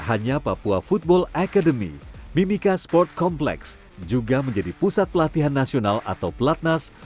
hanya papua football academy mimika sport complex juga menjadi pusat pelatihan nasional atau platnas